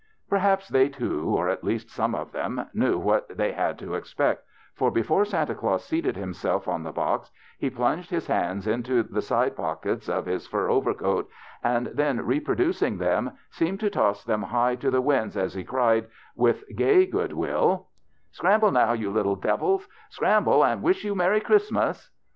Perhaps they too, or at least some of them, knew what they had to expect, for before Santa Claus seated himself on the box he plunged his hands into the side pock ets of his fur overcoat, and then reproducing them, seemed to toss them high to the winds, as he cried, with gay good will : THE BACHELOR'S CHRISTMAS 11 '' Scramble now, you little devils, scramble, and wish you merry Christmas